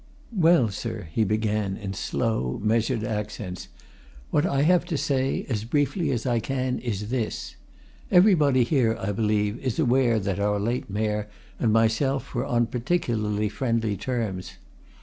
"Well, sir," he began, in slow, measured accents, "what I have to say, as briefly as I can, is this: everybody here, I believe, is aware that our late Mayor and myself were on particularly friendly terms.